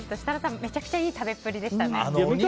めちゃくちゃいい食べっぷりでしたね。